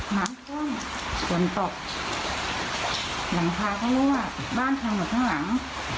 หลังต้นส่วนตกหลังพาก็รั่วบ้านพังหมดข้างหลัง